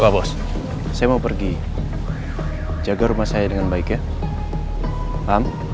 pak bos saya mau pergi jaga rumah saya dengan baik ya ham